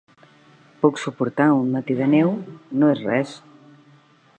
Puc suportar un matí de neu, no és res.